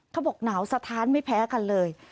เขาบอกหนาวสะท้านไม่แพ้กันเลย